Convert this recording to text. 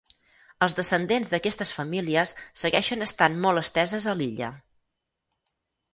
Els descendents d'aquestes famílies segueixen estant molt esteses a l'illa.